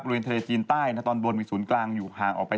ทะเลจีนใต้นะตอนบนมีศูนย์กลางอยู่ห่างออกไป